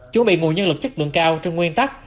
chuẩn bị nguồn nhân lực chất lượng cao trên nguyên tắc